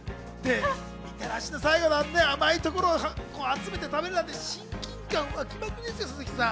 最後の甘いところを集めて食べるなんて、親近感わきまくりですよ、鈴木さん。